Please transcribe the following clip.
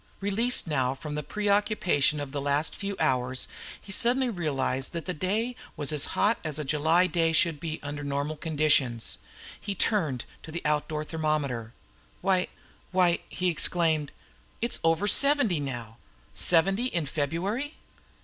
Released now from the preoccupation of the last few hours, he suddenly realised that the day was as hot as a July day should be under normal conditions. He turned to an outdoor thermometer. "Why why," he exclaimed, "it's over seventy now! Seventy in February!